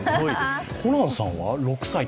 ホランさんは６歳？